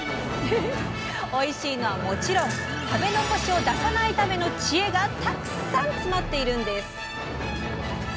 おいしいのはもちろん食べ残しを出さないための知恵がたくさん詰まっているんです。